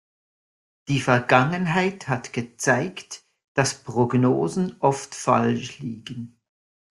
Die Vergangenheit hat gezeigt, dass Prognosen oft falsch liegen.